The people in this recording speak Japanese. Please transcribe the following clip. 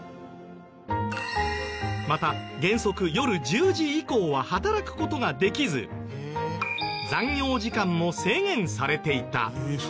また原則夜１０時以降は働く事ができず残業時間も制限されていた。